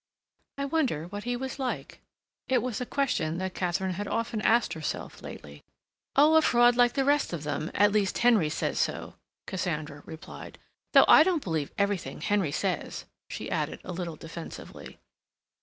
"I wonder what he was like?" It was a question that Katharine had often asked herself lately. "Oh, a fraud like the rest of them—at least Henry says so," Cassandra replied. "Though I don't believe everything Henry says," she added a little defensively.